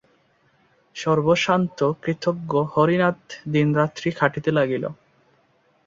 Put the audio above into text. সর্বস্বান্ত কৃতজ্ঞ হরিনাথ দিনরাত্রি খাটিতে লাগিল।